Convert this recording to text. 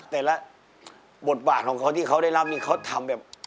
แต่ละบทบาทของเขาที่เขาได้รับนี่เขาทำแบบ